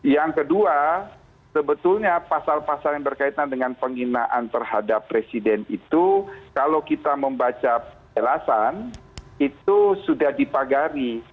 yang kedua sebetulnya pasal pasal yang berkaitan dengan penghinaan terhadap presiden itu kalau kita membaca jelasan itu sudah dipagari